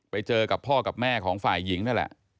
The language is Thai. ไปเจอกับพ่อกับแม่ของฝ่ายหญิงนั่นแหละ